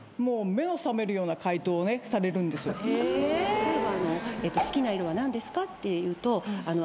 例えば。